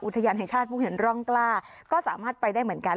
อุทยานแห่งชาติมุ่งเห็นร่องกล้าก็สามารถไปได้เหมือนกัน